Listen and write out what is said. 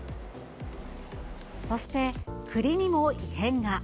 そして、栗にも異変が。